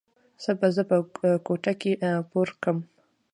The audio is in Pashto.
څه به زه په کوټه کښې پورکم.